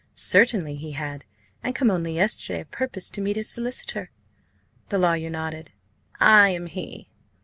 Certainly he had, and come only yesterday a purpose to meet his solicitor. The lawyer nodded. "I am he.